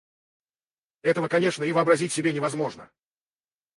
Этого, конечно, и вообразить себе невозможно.